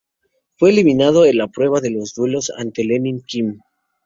Fue eliminado en la prueba de duelos, ante Lenni-Kim.